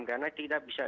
karena tidak bisa